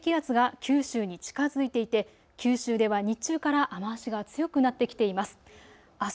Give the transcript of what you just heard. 前線上の低気圧が九州に近づいていて九州では日中から雨足が強くなってきています。